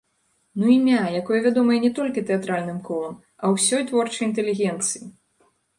Ну імя, якое вядомае не толькі тэатральным колам, а ўсёй творчай інтэлігенцыі!